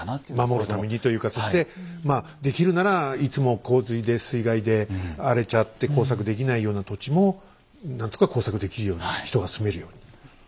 守るためにというかそしてできるならいつも洪水で水害で荒れちゃって耕作できないような土地も何とか耕作できるように人が住めるように。